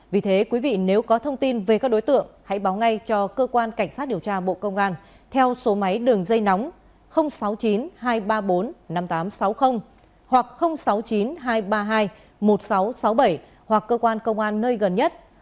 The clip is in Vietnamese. vì thế quý vị nếu có thông tin về các đối tượng hãy báo ngay cho cơ quan cảnh sát điều tra bộ công an theo số máy đường dây nóng sáu mươi chín hai trăm ba mươi bốn năm nghìn tám trăm sáu mươi hoặc sáu mươi chín hai trăm ba mươi hai một nghìn sáu trăm sáu mươi bảy hoặc cơ quan công an nơi gần nhất